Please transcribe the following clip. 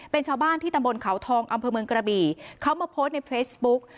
เป็นชาวบ้านที่ตำบลเขาทองอำเภอเมืองกระบี่เขามาโพสต์ในเฟซบุ๊ก